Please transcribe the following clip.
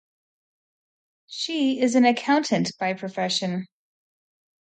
She is an accountant by profession.